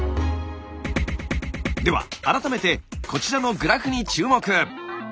では改めてこちらのグラフに注目！